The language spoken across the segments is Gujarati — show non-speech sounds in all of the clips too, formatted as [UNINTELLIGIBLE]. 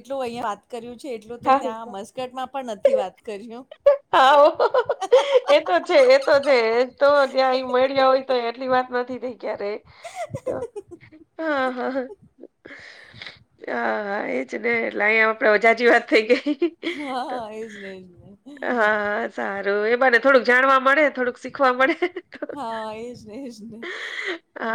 એટલું અહિયાયા વાત કર્યું છે એટલું તો હા છે ત્યાં મસ્કટમાં પણ નથી વાત કર્યું. હા એતો છે એતો છે તો ત્યાં મળ્યા હોય તો એટલી વાત નથી થઈ ક્યારે. તો હા હા હ હા હા એજ ને એટલે ઈયા આપણે જાજી વાત. થઈ ગઈ તો હા એજ ને એજ ને હા સારું એ બાને થોડુંક જાણવા મળે. થડુંક શીખવા મળે હા એજ ને એજ ને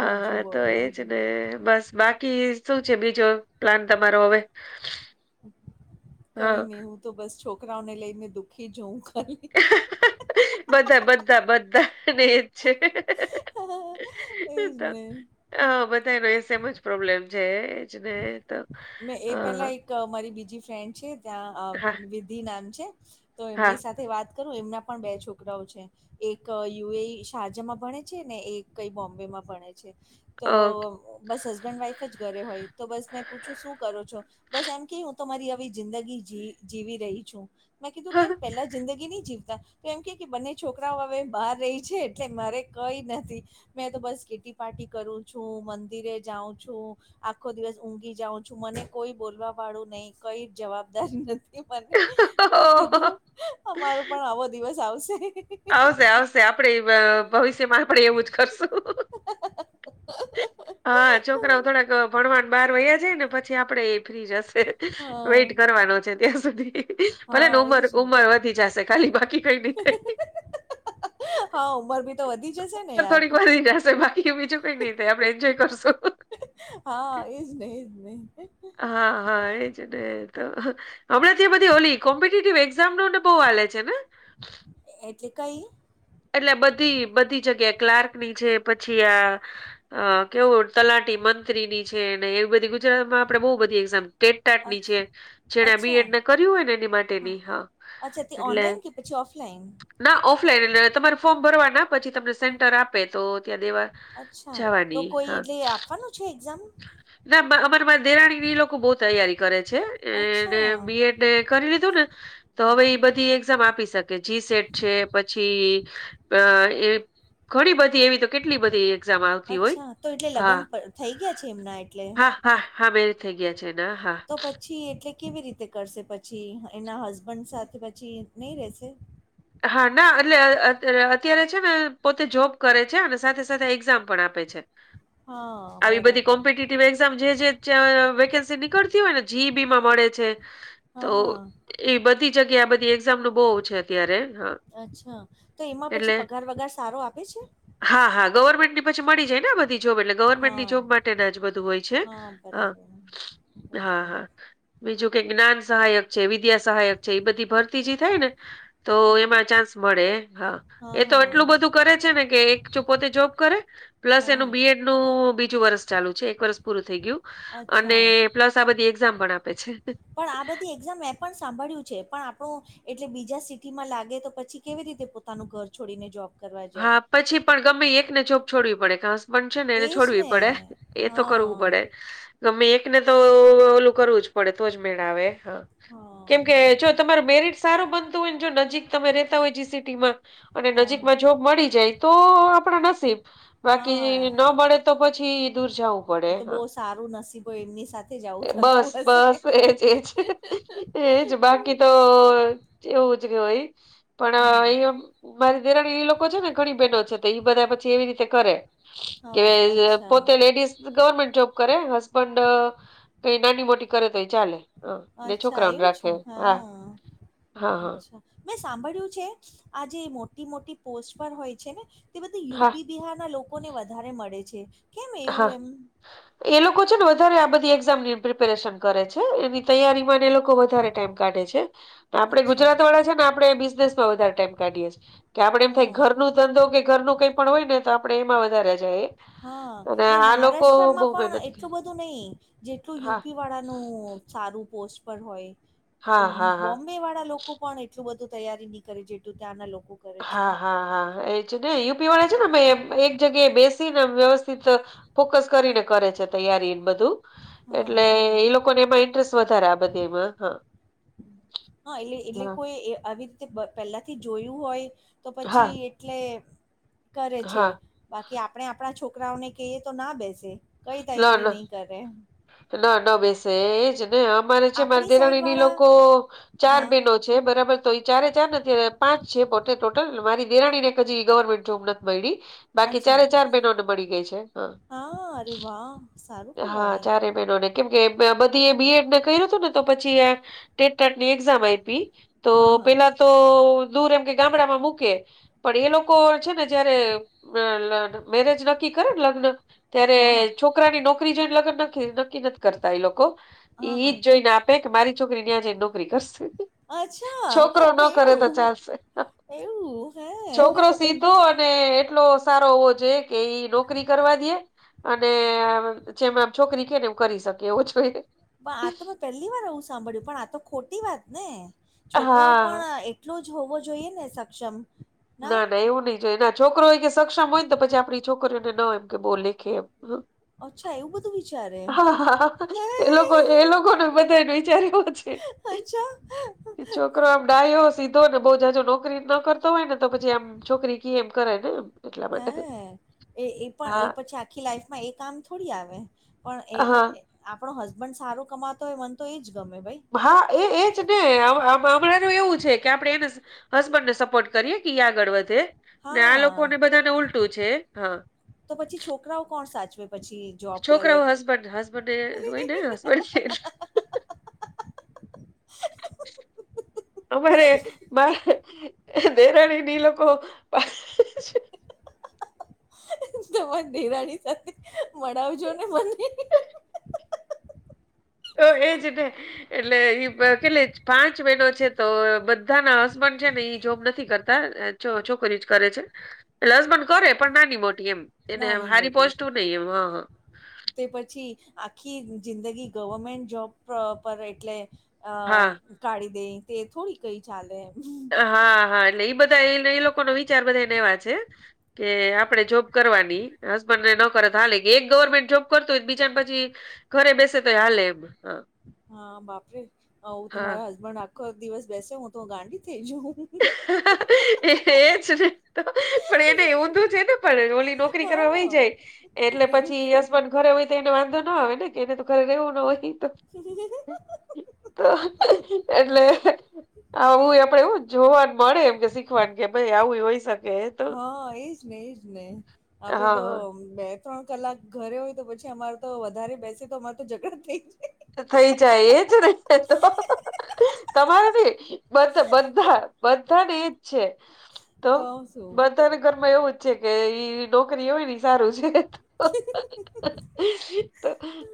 બીજું તો બોલો એજ ને બસ બાકી શું છે બીજો પ્લાન તમારો હવે. કઈ હા નઈ હું તો બસ છોકરાઓને લઈને દુઃખી છુ હું ખાલી બધા બધા બધા ને એજ છે હ ઇજ ને હ બધા ને એ સેમ જ પ્રોબ્લેમ છે એજ ને તો. મે એ હા પેલા એક મારી બીજી ફ્રેન્ડ છે ત્યાં અ હા વિધિ નામ છે. તો એમની હા સાથે વાત કરું એમના પણ બે છોકરાઓ છે. એક યુ એ શાજામાં ભણે છે ને એક કઈ બોમ્બેમાં ભણે છે. તો ઓકે બસ હસબેન્ડ વાઈફ જ ઘરે હોય તો બસ મેં પૂછું શું કરો છો બસ એમ કે હું તમારી આવી જિંદગી જી જીવી રહી છું. મેં કીધું કેમ પેલા જિંદગી ન‌ઈ જીવતા કેમ કે બંને છોકરાઓ હવે બહાર રહી છે એટલે મારે કઈ નથી મેં તો બસ કીટી પાર્ટી કરું છું મંદિરે જાઉં છું આખો દિવસ ઊંઘ. જાઉં છું મને કોઈ બોલવા વાળું નહીં કઈ જવાબદારી નથી મને મેં કીધું અમારો પણ આવો દિવસ આવશે. આવશે આવશે આપણેે ભવિષ્યમાં આપણેે એવું જ કરશું. [UNINTELLIGIBLE] હા છોકરાઓ થોડાક ભણવાન બહાર વ્યા છે ને પછી આપડે એ ફ્રી જશે હા વેઇટ કરવાનો છે ત્યાં સુધી ભલે હા ને ઉમર એજ ઉંમર વધી જશે ખાલી બાકી કઈ ન‌ઈ થાય. હા ઉમર ભી બર થોડીક વાર જશે બાકી બીજું કઈ નહી થાય આપડણે એન્જોય કરશું. હા ઇજ ને ઇજ ને હા હા એજને તો હમણા તે બધી ઓલી કોમ્પિટેટિવ એક્ઝામ નો ને બો હાલે છે ને એટલે કઈ એટલે બધી બધી જગ્યા ક્લાર્ક ની છે પછી આ કેવું તલાટી મંત્રી ની છે ને એવી બધી ગુજરાતમાં આપણે બો બધી એક્ઝામ ટેટ ટાટ ની અચ્છ જે જેને બી અચ્છા એડ ને કર્યું હોય ને એની માટેની હા અચ્છા તે એટલે ઓનલાઈન કે પછી ઓફલાઈન ના ઓફલાઈન તમારે ફોર્મ ભરવા ના પછી તમને હા સેન્ટર આપે તો ત્યાં દેવા અચ્છા તો જવાની કોઈ હા એટલે આપવાનું છે એક્ઝામ ના અમારા દેરાણી ની એ લોકો બહ તૈયારી કરે છે એ અચ્છા બીએડ કરી લીધું ને તો હવે બધી એક્ઝામ આપી શકે. કે જી સેટ છે પછી અ એ ઘણી બધી એવી તો કેટલી બધી એક્ઝામ આવતી હોય અચ્છા તો એટલે હા લગ્ન થઈ ગયા છે એમના એટલે હા હા હા મેરેજ થઈ ગયા છેને હા તો પછી એટલે કેવી રીતે કરશે પછી એના હસબન્ડ સાથે પછી નહી રેશે હા ના એટલે અત્યારે છે ને પોતે જોબ કરે છે અને સાથે સાથે એક્ઝામ પણ આપે છે. હા. આવી બધી બરાબર કોમ્પિટિવ એઝામ જે વેકેન્સી નીકળતી હોય ને જીઈબી માં મળે છે. તો હા હા એ બધી જગ્યા આ બધી એક્ઝામ નું બહુ છે અત્યારે હા અચ્છા તો એમાં પછી એટલે પગાર વગાર સારો આપે છે. હા હા ગવર્મેન્ટ ની પછી મળી જાય ને બધી જોબ એટલે ગવર્મેન્ટની હા જોબ માટે જ બધું હોય છે હા બરાબર હ હા હા બરાબર બીજું કે જ્ઞાન સહાયક છે વિદ્યા સહાયક છે એ બધી ભરતી જે થાય ને તો એમ ચાન્સ મળે હા એ તો એટલું બધું કરે છે ને કે એક જો પોતે જોબ કરે પ્લસ હા એનું હા બીએડ નું બીજું વરષ ચાલુ છે એક વરષ પૂરું થઈ ગયું અચ્છા અને પ્લસ આ બધી એક્ઝામ પણ આપે છે. પણ આ બધી એક્ઝામ મે પણ સાંભળ્યું છે પણ આપણું એટલે બીજા સિટી માં લાગે તો પછી કેવી રીતે પોતાનું ઘર છોડીને જોબ કરવા જાય. હા, પછી પણ ગમે એકને જોબ છોડવી પડે કે હસબન્ડ છે ને એને એજ છોડવી ને પડે એ તો કરવું હા પડે. ગમે એકને તો ઓલું કરવું જ પડે તોજ મેળ આવે. હા કેમકે બરાબર જો તમાર મેરિટ સારો બનતું હોય ને જો નજીક તમે રેતા હોય સિટી માં અને હા નજીક જો મળી જાય તો આપણા નસીબ બાકી હા ન મળે તો પછી દૂર જાવું એ તો બો સારું નસીબો એમની સાથે જ આવું બસ થતું હશે. બસ એજ એજ એજ બાકી તો એવું જ કેવાય હમ પણ એ મારી [UNINTELLIGIBLE] લોકો છે ને ઘણી બહેનો છે તો એ બધા પછી એવી રીતે કરે કે હા અચ્છા પોતે લેડીઝ ગવર્મેન્ટ જોબ કરે હસબન્ડ કઈ નાની મોટી કરે તો એ ચાલે હ ને અચ્છા છોકરાઓને આવું છે રાખે હા હા હા હા અચ્છા મેં સાંભળ્યું છે આજે મોટી મોટી પોસ્ટ પર હોય છે ને તે બધું હા યુપી બિહારના લોકોને વધારે મળે છે કેમ હા એવું એમ? એ લોકો છે ને વધારે આ બધી એક્ઝામની પ્રિપેરેશન કરે છે એવી તૈયારીમાં ને એ લોકો વધારે ટાઈમ કાઢે છે. આપણે અચ્છા ગુજરાતવાળા છીએ ને આપણે એ બિઝનેસમાં વધારે ટાઈમ કાઢીએે છીએ કે આપડે એમ થાય હા ઘરનું ધંધો કે ઘર નું કઈ પણ હોય ને તો આપણેે એમાં વધારે જાયએ. હા ને મહારાષ્ટ્રમાં મહેનત પણ કરી. એટલું બધું નહી જેટલું હા યુપી વાળાનું સારું પોસ્ટ પર હોય હા એ હા હા. બોમ્ બે વાળા લોકો પણ એટલું બધું તૈયારી નહીં કરે જેટલું ત્યાંના લોકો કરે છે હા હા હા એજ ને યુપી વાળા છે ને એક જગ્યાએ બેસી ને વ્યવસ્થિત ફોકસ કરીને કરે છે તૈયારી એ બધું એટલે હા એ લોકોને એમાં ઇન્ટરેસ્ટ વધારે આ બધી એમાં હા હહ એટલે એટલે હા કોઈ આવી રીતે પહેલાથી જોયું હોય તો હા પછી એટલે કરે છે. હા. બાકી આપણે આપણા છોકરાઓને કહીએ તો ના બેસે કઈ તૈયારી નહીં કરે. ન ન બેસે એ એજ ને અમારે છે માર આપણી સાઈડ દેરાણી ને ઈ વાળા લોકો ચાર હા બહેનો છે બરાબર તો ઈ ચારે ચાર ને અત્યારે પાંચ છે પોતે ટોટલ મારી દેરાણીને એક હજી ગવર્મેન્ટ જોબ નથ મયડી. બાકી અચ્છા ચારે ચાર બહેનોને મળી ગઈ છે હહ હહ સારું હા કેવાય ચારે બહેનોને કેમ કે બધી એ બીએડ ને કર્યું તું ને તો પછી એ ટેટ ટાટની એક્ઝામ આયપી તો હા હા પેલા તો દૂર એમ કે ગામડામાં મૂકે. પણ એ લોકો છે ને જયારે અ મેરેજ નક્કી કરે ને લગ્ન ત્યારે હા હા છોકરાની નોકરી જોઈને લગન નકી નક્કી નથી કરતા ઈ લોકો ઈ હા ઈ જ જોઈને આપ પે કે મારી છોકરી નયા જઈ ને નોકરી કરશે, હા છોકરો અચ્છા ન કરે તો એવું ચાલશે. એવું હે? છોકરો સીધો અને એટલો સારો હોવો જોઈએ કે ઈ નોકરી કરવા દે અને જેમ આમ છોકરી કે ને એમ કરી શકયે એવો જોઈએ. મા આતો મેં પેલ્લી વાર એવું સાંભળ્યું પણ આ તો ખોટી વાતને છોકરાઓ હા પણ એ એટલો જ હોવો જોઈએ ને સક્ષમ. ના ના એવું નઈ જો એના છોકરો ઈ કે સક્ષમ હોય ને તો પછી આપણી છોકરીઓને ન એમ કે બહુ લેખે એમ. અચ્છા એવું બધું વિચારે હા હા, એ લોકો એ લોકોને બધાને વિચાર એવો છે. અચ્છા છોકરો આમ ડાયો, સીધો ને બહુ જાજો નોકરી ન કરતો હોય ને તો પછી આમ છોકરી કે એમ કરે ને એમ. એટલા હે માટે એ એ પણ એ હા પછી આખી લાઈફમાં એ કામ થોડી આવે? પણ હા એ આપણો હસબન્ડ સારો કમાતો હોય મન તો એજ ગમે ભાઈ. હા, એ એજ ને આવુ આમ. ગામડાનું એવું છે કે આપડે એને હસબન્ડને સપોર્ટ કરીએ કે ઈ આગળ વધે. ને આ હા લોકોને બધાને ઉલટું છે. હહ તો પછી છોકરાઓ કોણ સાચવે પછી? જોબ કરે છોકરાઓ હસબન્ડ હસબન્ડ એ હોય ને હસબન્ડ અમારે બા દેરાણીની ઈ લોકો તમારી દેરાની સાથે મળાવજો ને મને. તો એજ ને એટલે ઈ કેટલી પાંચ બહેનો છે તો બધાના હસ બન છે ને ઈ જોબ નથી કરતા અ છોકરીઓ જ કરે છે. એટલે હસબન્ડ કરે પણ નાની મોટી એમ એને આમ નાની હારી મોટી પોસ્ટું નઈ એમ હહ હહ. તે પછી આખી જિંદગી ગવર્મેન્ટ જોબ પ પર એટલે અ હા કાઢી દે તે થોડી કઈ ચાલે. હા, હા એટલે ઈ બધાએ ઈ લોકોનો વિચાર બધાયને એવા છે. કે આપણેે જોબ કરવાની. હસબન્ડને ન કરે તો હાલે કે એક ગવર્મેન્ટ જોબ કરતો હોય તો બીજાને પછી. ઘરે બેસે તોય હાલે એમ હહ. હા, બાપ રે! આવું તો મારા હસબન્ડ આખો દિવસ બેસે હું તો ગાંડી થઇ જઉ. હા એ એજ ને તો પણ એને ઊંધું છે ને પણ ઓલી નોકરી કરવા વહી હા જાય. એટલે એવું પછી કેવું હસબન્ડ ઘરે હોય તો એને વાંધો ના આવે ને કે એને તો ઘરે રેવું ન હોય. તો [UNINTELLIGIBLE] તો એટલે આવું આપડે એવું. જોવાનું મળે એમ કે શીખવાનું કે ભાઈ આવું હોય શકે. તો હા, એજ ને એજ ને આપે હા તો હા બે ત્રણ કલાક ઘરે હોય તો પછી અમારે તો વધારે બેસે તો અમારે તો ઝઘડ થઈ જાય. થઈ જાય એજ રે તો તમારું ને બધા બધા બધાને એજ છે. તો બધાના ઘરમાં એવું જ છે કે ઈ નોકરી હોય ને સારું.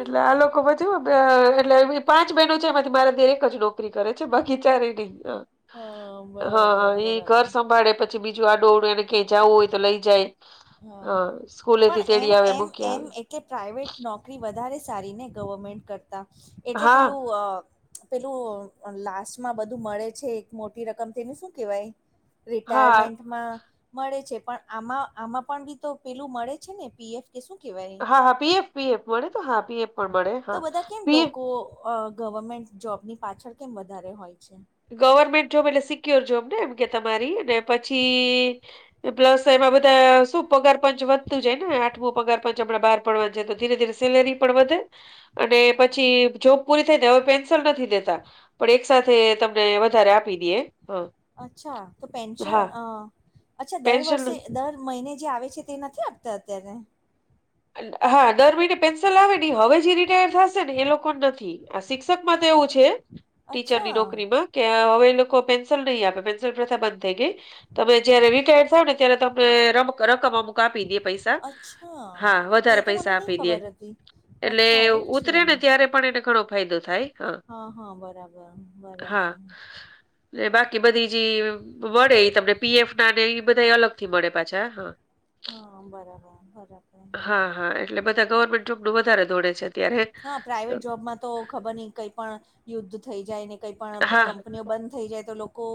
એટલે આ લોકો અ એટલે પાંચ બહેનો છે એમાંથી મારા એક જ નોકરી કરે છે બાકી ચારે નઈ હા, હા હા બરાબર એ ઘર બરાબર સંભાળે પછી બીજું આ ડોળું કઈ જવું હોય તો લઈ જાય હા હ હા સ્કૂલે થી તેડી આવે મૂકી આવે. કે પ્રાઈવેટ નોકરી વધારે સારીને ગવર્મેન્ટ કરતા એટલે હા પેલું અ પેલું લાસ્ટમાં બધું મળે છે એક મોટી રકમ તેને શું કેવાય? હા રિટાયરમેન્ટન્ટમાં. મળે છે પણ આમાં આમાં પણ બી તો પેલું મળે છે ને પીએફ કે શું કેવાય? હા હા, પીએફ પીએફ મળે તો હા પીએફ પણ મળે હા પીએફ અ ગવર્મેન્ટ જોબની પાછળ કેમ વધારે હોય છે. ગવર્મેન્ટ જોબ એટલે સિક્યોર જોબ ને એમ કે તમારી પછી પ્લસ એમાં બધા શું પગાર પંચ વધતું જાયને આઠમું પગાર પંચ અમણાં બાર પડવા જ તો ધીરે ધીરે સેલેરી પણ વધે અને હા પછી જોબ પૂરી થઈ ને હવે પેન્સલ નથી દેતા પણ એક સાથે ત અચ્છા તો પેન્શન હા અ અચ્છા દર પેન્શન વર્ષે દર મહિને જે આવે છે તે નથી આપતા અત્યારે? હા દર મહિને પેન્સલ આવે ને હવે જે રિટાયર થશે ને એ લોકો નથી. આ શિક્ષક માં તો એવું છે ટીચરની અચ્છા નોકરીમાં. કે હવે એ લોકો પેન્સિલ નહી આપે પેન્સિલ પ્રથા બંધ થઈ ગઈ. તમે જયારે રિટાયર્ડ થાવ ને ત્યારે તમને રમક-રકમ અમુક આપી દે પૈસા અચ્છા હા તે વધારે તો મને પૈસા નહી આપી દે ખબર હતી એટલે અચ્છા એવું છે ઉતરે ને ત્યારે પણ એને ઘણો ફાયદો થાય. હા હા બરાબર હા બરાબર બાકી બધી જે વડે એ તમને પીએફ ના ને એ બધાય અલગ થી મળે પાછા હા. હા બરાબર બરાબર. હા હા એટલે બધા ગવર્મેન્ટ જોબનું વધારે દોડે છે અત્યારે પ્રાાઈવેટ જોબમાં તો ખબર નહી કઈ પણ યુદ્ધ થઈ જાય ને કઈ પણ હા કંપનીઓ બંધ થઈ જાય તો લોકો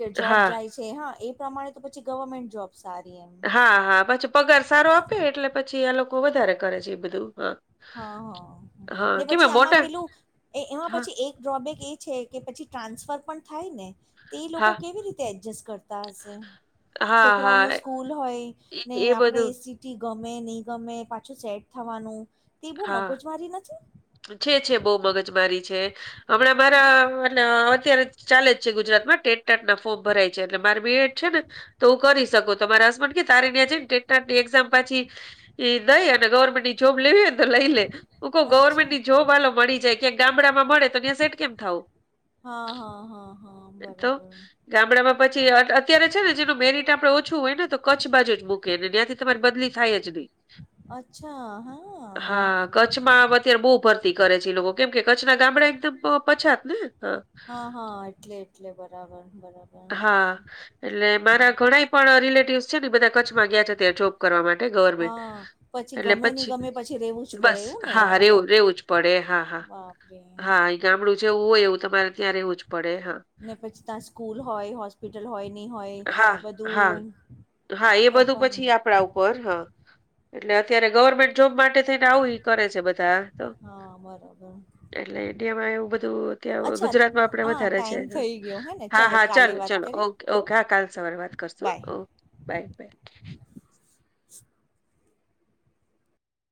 કે જોબ હા જાય છે. હા એ પ્રમાણે તો પછી ગવર્મેન્ટ જોબ સારી એમ. હા હા પછી પગાર સારો આપે એટલે પછી આ લોકો વધારે કરે છે એ બધું હા. હા હા હા ને કેમ પછી મોટા આમાં પેલું એમાં હા, પછી એક ડ્રોબેક એ છે. કે પછી ટ્રાન્સફર પણ થાય ને તે એ લોકો હા, કેવી રીતે એડજસ્ટ કરતા હશે. હા, હા. છોકરાઓનું સ્કૂલ હોય એ ને એ આપણે બધું એસી ગમે નહી ગમે પાછું સેટ થવાનું તે બહું હા, મગજ મારી નથી? છે છે બહુ મગજમારી છે હમણાં મારા અત્યારે ચાલે જ છે ગુજરાત માં ટેટ ટાટ ના ફોર્મ ભરાય છે એટલે મારે બી એડ છે ને તો હું કરી શકું તમારા હસબન્ડ કે તારી ન્યા જઈ ટેટ ટાટા એક્ઝામ પછી એ દઈ અને ગવર્મેન્ટની જોબ લેવીને તો લઈ લે હું કહ ગવર્મેન્ટ અચ્છા જોબ હાલો મળી જાય ક્યાં ગામડામાં મળે તો ત્યાં સેટ કેમ થાવુ હા હા હા હા બરાબર ગામડામાં પછી અત-અત્યારે છે ને જેનું મેરિટ આપે ઓછું હોય ને તો કચ્છ બાજુ જ મૂ કે ત્યાં થી તમારી બદલી થાય જ નહીં. અચ્છા હા. હા, કચ્છમાં અત્યારે બહુ ભરતી કરે છે લોકો કેમ કે કચ્છના ગામડા એકદમ પછાત ને. હા હા એટલે એટલે બરાબર બરાબર. હા એટલે મારા ઘણાય પણ રિલેટિવસ છે ને બધા કચ્છમાં ગયા છે ત્યારે જોબ કરવા માટે ગવર્મેન્ટ હા પછી એટલે ગમે નહી પછી ગમે રેવું જ પડે બસ એવું ને હા રેવું રેવું જ પડે હા હા બાપરે હા એ ગામડું છેવું હોય એવું તમારે ત્યા રેવું જ પડે હા ને પછી ત્યાં સ્કૂલ હોય હોસ્પિટલ હોય નહી હોય હા, હા, બધું હા એ તો બધું પણ પછી આપડા ઉપર હા એટલે અત્યારે ગવર્મેન્ટ જોબ માટે થઈ આવું કરે છે બધા તો હા બરાબર એટલે ઈન્ડિયામાં એવું બધું ત્યાં ગુજરાત માં આપડે વધારે છે. યો હે ને હા ચાલો હા કાલે ચાલો વાત ચાલો કરી ઓકે ઓકે હા કાલ સવારે વાત કરશું બાય ઓકે બાય બાય